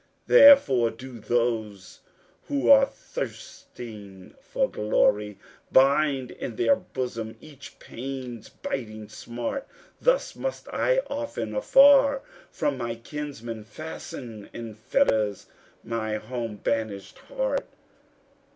Therefore do those who are thirsting for glory Bind in their bosom each pain's biting smart. Thus must I often, afar from my kinsmen, Fasten in fetters my home banished heart.